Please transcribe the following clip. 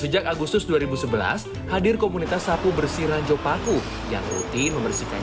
sejak agustus dua ribu sebelas hadir komunitas sapu bersih ranjau paku yang rutin membersihkan